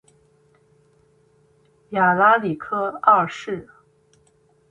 亚拉里克二世。